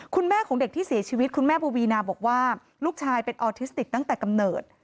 คุณแม่ของเด็กที่เสียชีวิตคุณแม่ปวีนาบอกว่าลูกชายเป็นออทิสติกตั้งแต่กำเนิด